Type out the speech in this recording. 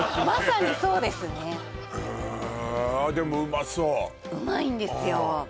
まさにそうですねへえあっでもうまいんですよ